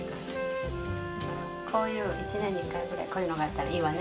１年に１回ぐらいこういうのがあったらいいわね。